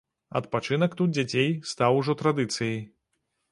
Адпачынак тут дзяцей стаў ужо традыцыяй.